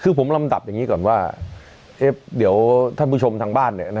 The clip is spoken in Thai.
คือผมลำดับอย่างนี้ก่อนว่าเดี๋ยวท่านผู้ชมทางบ้าน